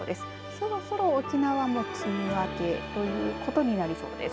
そろそろ沖縄も梅雨明けということになりそうです。